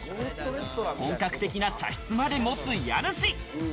本格的な茶室まで持つ家主。